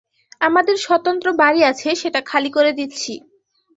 আমাদের স্বতন্ত্র বাড়ি আছে, সেটা খালি করে দিচ্ছি।